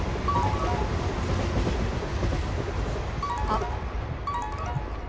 あっ。